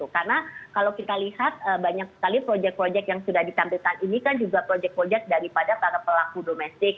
karena kalau kita lihat banyak sekali proyek proyek yang sudah ditampilkan ini kan juga proyek proyek daripada para pelaku domestik